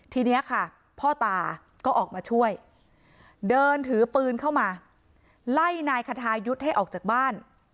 ทีนี้ค่ะพ่อตาก็ออกมาช่วยเดินถือปืนเข้ามาไล่นายคทายุทธ์ให้ออกจากบ้าน